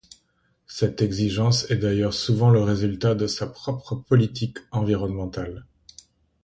Cette exigence est d'ailleurs souvent le résultat de sa propre politique environnementale.